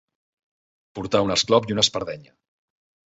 Portar un esclop i una espardenya.